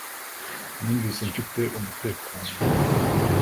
numvise mfite umutekano